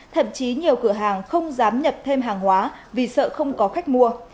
thậm chí nhiều cửa hàng không dám nhập thêm hàng hóa vì sợ không có khách mua